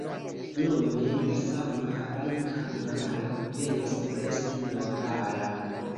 Nome la sama laika moralo penas resti morala.